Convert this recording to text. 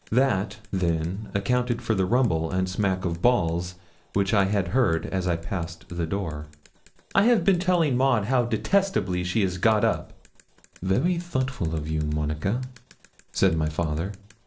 That, then, accounted for the rumble and smack of balls which I had heard as I passed the door. 'I have been telling Maud how detestably she is got up.' 'Very thoughtful of you, Monica!' said my father.